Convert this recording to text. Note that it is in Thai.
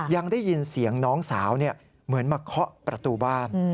ยังได้ยินเสียงน้องสาวเหมือนมาเคาะประตูบ้าน